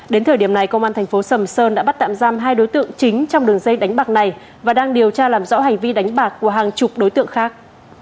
đến thời điểm này công an thành phố sầm sơn đã bắt tạm giam hai đối tượng chính trong đường dây đánh bạc này và đang điều tra làm rõ hành vi đánh bạc của hàng chục đối tượng khác